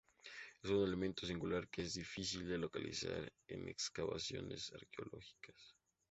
Es un elemento singular que es difícil de localizar en excavaciones arqueológicas.